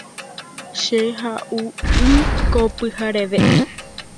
Che ha’u y ko pyhareve.